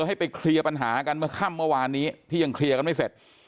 ให้ไปเคลียร์ปัญหากันเมื่อค่ำเมื่อวานนี้ที่ยังเคลียร์กันไม่เสร็จ